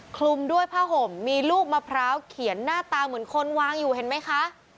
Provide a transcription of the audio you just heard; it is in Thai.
คลุมด้วยผ้าห่มมีลูกมะพร้าวเขียนหน้าตาเหมือนคนวางอยู่เห็นไหมคะ